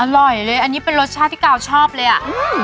อร่อยเลยอันนี้เป็นรสชาติที่กาวชอบเลยอ่ะอืม